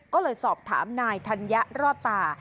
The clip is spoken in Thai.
ก็เลยสอบถามนายธัญญะรอดตา